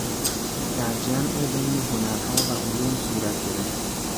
در جمع بین هنرها و علوم صورت گرفت